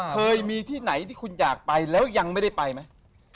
เคยมีที่ไหนที่คุณอยากไปแล้วยังไม่ได้ไปไหม